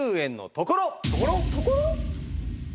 ところ！？